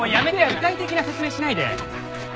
具体的な説明しないで。